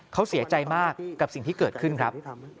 เขาเสียใจมากกับสิ่งที่เกิดขึ้นครับ